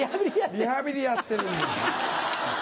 リハビリやってるんです。